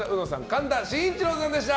神田伸一郎さんでした。